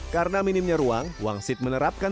karena minimnya ruang wangsit menerapkan